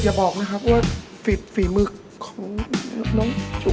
อย่าบอกนะครับว่าฝีมือของน้องจุ๋